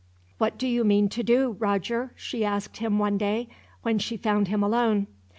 "What do you mean to do, Roger?" she asked him one day, when she found him alone.